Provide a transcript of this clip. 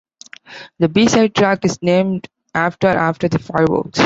The B-side track is named "After, After the Fireworks".